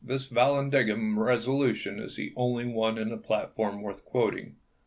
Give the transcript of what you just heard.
This Yallandigham resolution is the only one in the platform worth quoting.